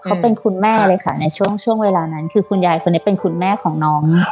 เขาเป็นคุณแม่เลยค่ะในช่วงเวลานั้นคือคุณยายคนนี้เป็นคุณแม่ของน้อง